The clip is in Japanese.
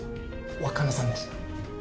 若菜さんでした。